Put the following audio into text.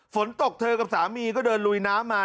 ฝนตกเธอกับสามีก็เดินลุยน้ำมา